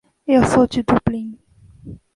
Eu sou de Dublin.